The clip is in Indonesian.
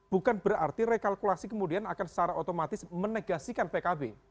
bukan berarti rekalkulasi kemudian akan secara otomatis menegasikan pkb